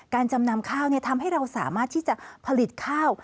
จำนำข้าวทำให้เราสามารถที่จะผลิตข้าว